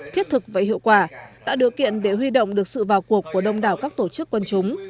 thiết thực và hiệu quả tạo điều kiện để huy động được sự vào cuộc của đông đảo các tổ chức quân chúng